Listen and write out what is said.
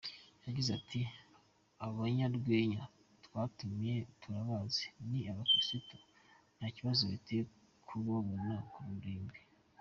Yagize ati “Aba banyarwenya twatumiye turabazi ni abakirisitu, nta kibazo biteye kubabona ku ruhimbi.